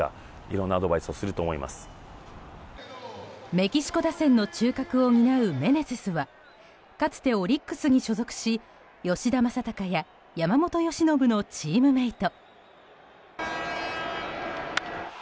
メキシコ打線の中核を担うメネセスはかつてオリックスに所属し吉田正尚や山本由伸のチームメート。